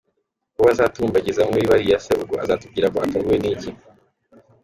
Uwo bazatumbagiza muri bariya se ubwo azatubwira ko atunguwe n'iki? .